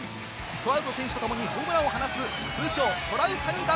トラウト選手とともにホームランを放つ、通称・トラウタニ弾。